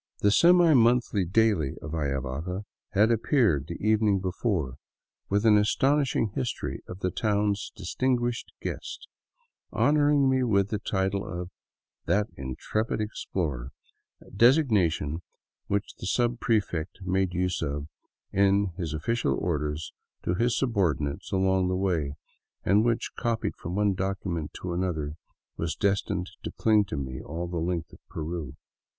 The semi monthly daily of Ayavaca had appeared the evening before with an astonishing history of the town's distinguished guest, honoring me with the title of " that intrepid explorer," a designation which the subprefect made use of in his official orders to his subordinates along the way, and which, copied from one document to another, was destined to cling to me all the length of Peru.